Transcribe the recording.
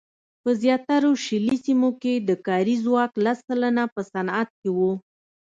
په زیاترو شلي سیمو کې د کاري ځواک لس سلنه په صنعت کې وو.